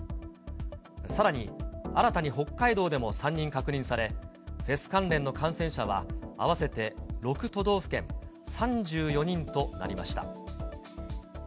さらに、新たに北海道でも３人確認され、フェス関連の感染者は、合わせて６都道府県３４人となりました。